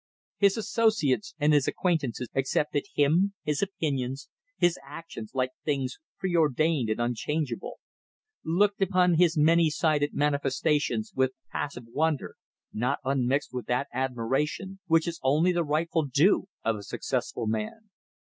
His associates and his acquaintances accepted him, his opinions, his actions like things preordained and unchangeable; looked upon his many sided manifestations with passive wonder not unmixed with that admiration which is only the rightful due of a successful man.